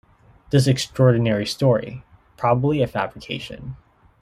This extraordinary story probably a fabrication.